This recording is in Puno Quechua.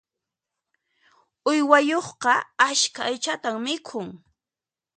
Uywayuqqa askha aychatan mikhun.